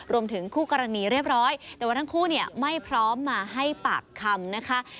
คู่กรณีเรียบร้อยแต่ว่าทั้งคู่เนี่ยไม่พร้อมมาให้ปากคำนะคะ